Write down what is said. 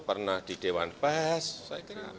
pernah di dewan pes